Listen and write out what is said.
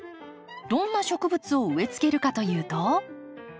どんな植物を植えつけるかというと。